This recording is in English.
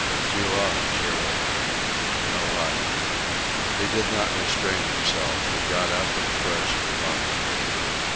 Too long surely. No luck. He could not restrain himself. He got up and approached the bunk.